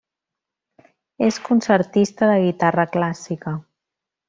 És concertista de guitarra clàssica.